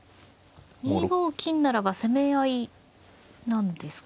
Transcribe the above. ２五金ならば攻め合いなんですか。